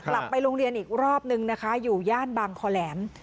กลับไปโรงเรียนอีกรอบนึงนะคะอยู่ย่านบางคอแหลม